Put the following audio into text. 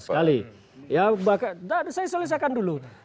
sekali saya selesaikan dulu